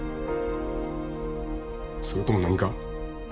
それとも何か？